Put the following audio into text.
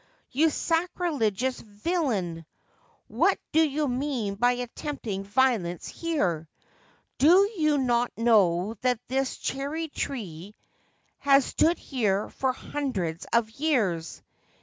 you sacrilegious villain ! 206 The Holy Cherry Tree What do you mean by attempting violence here ? Do you not know that this cherry tree has stood here for hundreds of years?